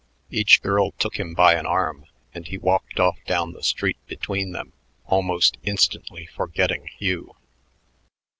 Each girl took him by an arm, and he walked off down the street between them, almost instantly forgetting Hugh.